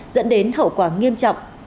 dẫn đến hậu quả nghiêm trọng